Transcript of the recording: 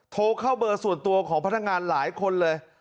โทรเข้าเบอร์ส่วนตัวของพนักงานหลายคนเลย